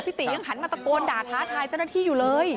ติยังหันมาตะโกนด่าท้าทายเจ้าหน้าที่อยู่เลย